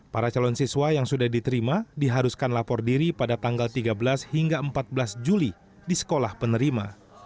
para calon siswa yang sudah diterima diharuskan lapor diri pada tanggal tiga belas hingga empat belas juli di sekolah penerima